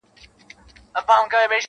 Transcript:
• ور په برخه زغري توري او ولجې وې -